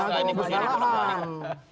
dan ini bisa jadi penuh barang